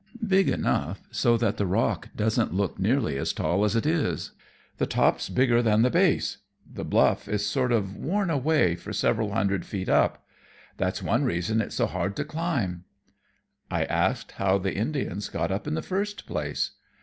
Big enough so that the rock doesn't look nearly as tall as it is. The top's bigger than the base. The bluff is sort of worn away for several hundred feet up. That's one reason it's so hard to climb." I asked how the Indians got up, in the first place.